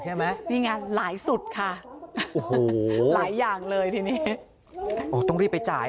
ใช่ไหมนี่ง่าหลายสุดค่ะหลายอย่างเลยทีนี้ต้องรีบไปจ่าย